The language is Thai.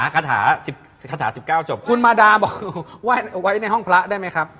เล็กเล็กเล็กเล็กเล็กเล็กเล็กเล็ก